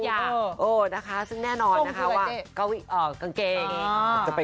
ทรงคืออะไรเจ๊